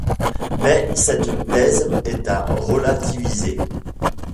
Mais cette thèse est à relativiser.